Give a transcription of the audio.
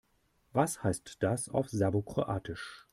Was heißt das auf Serbokroatisch?